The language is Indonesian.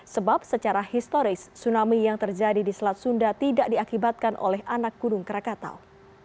sebab secara historis tsunami yang terjadi di selat sunda tidak diakibatkan oleh anak gunung krakatau